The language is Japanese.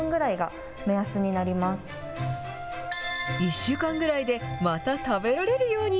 １週間ぐらいでまた食べられるように。